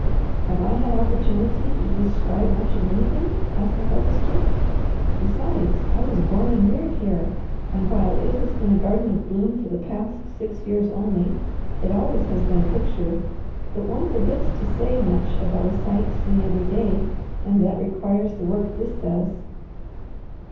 "Have I had opportunity to describe much of anything?" asked the Harvester. "Besides, I was born and reared here, and while it has been a garden of bloom for the past six years only, it always has been a picture; but one forgets to say much about a sight seen every day and that requires the work this does."